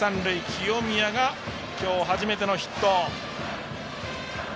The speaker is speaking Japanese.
清宮が今日初めてのヒット。